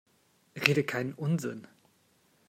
Rede keinen Unsinn!